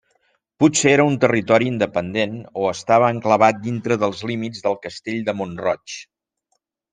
Potser era un territori independent o estava enclavat dintre dels límits del castell de Mont-roig.